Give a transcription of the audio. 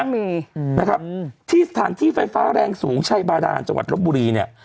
มีนะครับที่สถานที่ไฟฟ้าแรงสูงชัยบาดานจังหวัดลบบุรีเนี่ย